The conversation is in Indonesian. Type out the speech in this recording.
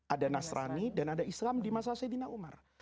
ada nasrani dan ada islam di masa sayyidina umar